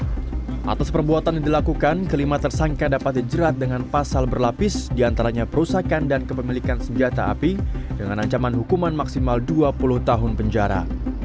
atas perbuatan yang dilakukan kelima tersangka dapat dijerat dengan pasal berlapis diantaranya perusakan dan kepemilikan senjata api dengan ancaman hukuman maksimal dua puluh tahun penjara